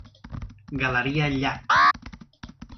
Galeria Llac.